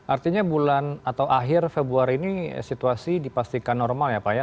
artinya bulan atau akhir februari ini situasi dipastikan normal ya pak ya